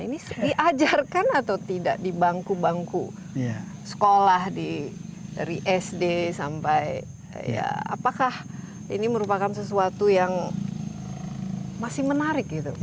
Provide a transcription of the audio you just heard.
ini diajarkan atau tidak di bangku bangku sekolah dari sd sampai ya apakah ini merupakan sesuatu yang masih menarik gitu